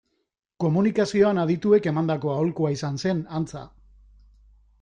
Komunikazioan adituek emandako aholkua izan zen, antza.